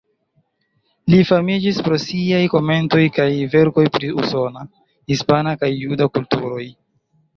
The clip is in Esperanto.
Li famiĝis pro siaj komentoj kaj verkoj pri usona, hispana kaj juda kulturoj.